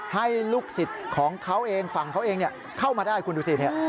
ให้ลูกศิษย์ของเขาเองฝั่งเขาเองเข้ามาได้คุณดูสิเนี่ย